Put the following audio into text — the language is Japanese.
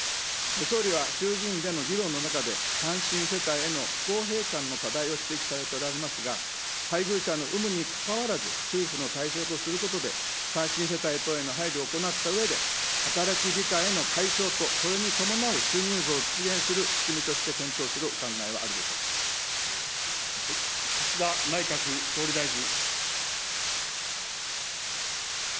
総理は衆議院での議論の中で、単身世帯への不公平感の課題を指摘されておられますが、配偶者の有無にかかわらず、給付の対象とすることで、単身世帯等への配慮を行ったうえで、働き控えの解消と、それに伴う収入増を実現する仕組みとして検討するお考えはあるで岸田内閣総理大臣。